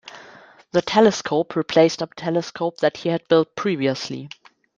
The telescope replaced a telescope that he had built previously.